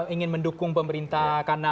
ingin mendukung pemerintah karena